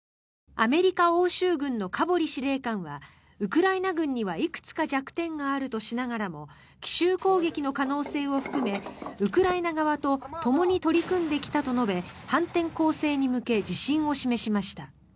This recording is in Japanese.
アメリカ欧州軍のカボリ司令官はウクライナ軍にはいくつか弱点があるとしながらも奇襲攻撃の可能性を含めウクライナ側とともに取り組んできたと述べ反転攻勢に向け自信を示しました。